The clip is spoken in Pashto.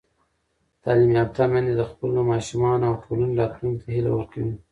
تعلیم یافته میندې د خپلو ماشومانو او ټولنې راتلونکي ته هیله ورکوي.